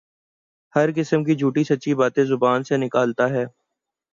ہر قسم کی جھوٹی سچی باتیں زبان سے نکالتا ہے